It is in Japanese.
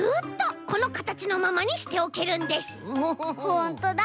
ほんとだ！